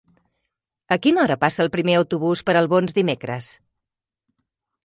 A quina hora passa el primer autobús per Albons dimecres?